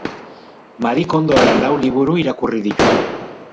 Marie Kondoren lau liburu irakurri ditu.